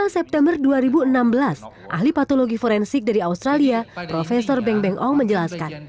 dua puluh september dua ribu enam belas ahli patologi forensik dari australia prof beng beng ong menjelaskan